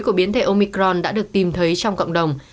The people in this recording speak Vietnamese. của biến thể omicron đã được tìm thấy trong cộng đồng